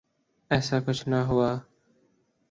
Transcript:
ایسا کچھ نہ ہوا۔